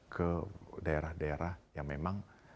ke daerah daerah yang memang